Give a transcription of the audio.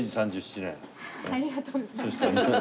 ありがとうございます。